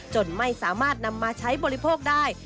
จนไม่สามารถนำมาใช้บริโภคได้